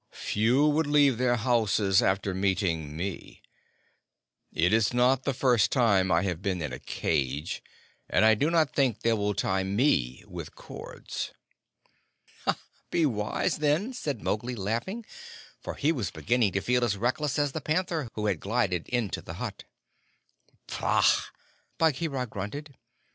Few would leave their houses after meeting me. It is not the first time I have been in a cage; and I do not think they will tie me with cords." "Be wise, then," said Mowgli, laughing; for he was beginning to feel as reckless as the panther, who had glided into the hut. "Pah!" Bagheera grunted.